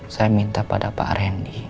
saya minta pada pak randy